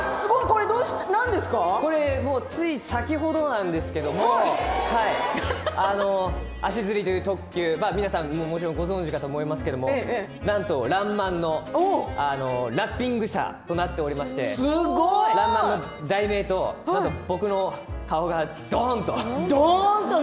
つい先ほどなんですけれどもあしずりという特急、皆さんご存じだと思いますけれどもなんと「らんまん」のラッピング列車となっていまして「らんまん」の題名となんと僕の顔がどんと。